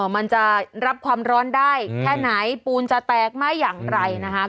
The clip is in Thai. มันจะรับความร้อนได้แค่ไหนปูนจะแตกไหมอย่างไรนะคะ